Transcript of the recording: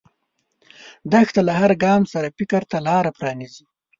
دښته له هر ګام سره فکر ته لاره پرانیزي.